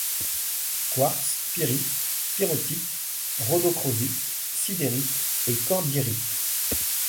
Quartz, pyrite, pyrrhotite, rhodochrosite, sidérite et cordiérite...